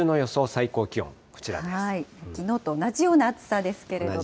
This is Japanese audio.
最高気温、こちきのうと同じような暑さです